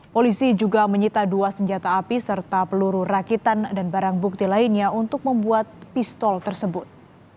polisi juga menyita dua senjata api serta peluru rakitan dan barang bukti lainnya untuk membuat pistol tersebut